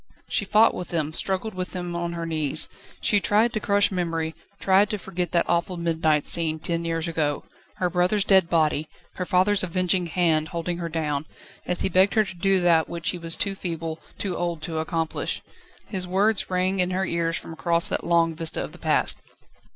She fought with them, struggled with them on her knees. She tried to crush memory, tried to forget that awful midnight scene ten years ago, her brother's dead body, her father's avenging hand holding her own, as he begged her to do that, which he was too feeble, too old to accomplish. His words rang in her ears from across that long vista of the past.